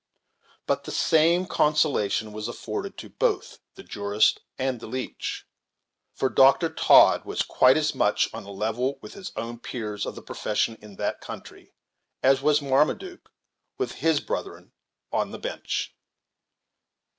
But the same consolation was afforded to both the jurist and the leech, for Dr. Todd was quite as much on a level with his own peers of the profession in that country, as was Marmaduke with his brethren on the bench.